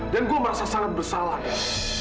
dan gue merasa sangat bersalah dil